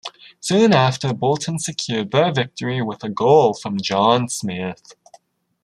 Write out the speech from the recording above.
Soon after, Bolton secured their victory with a goal from John Smith.